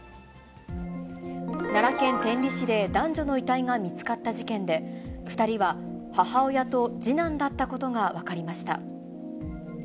奈良県天理市で、男女の遺体が見つかった事件で、２人は母親と次男だったことが分かりました。